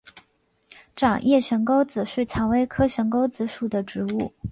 掌叶悬钩子是蔷薇科悬钩子属的植物。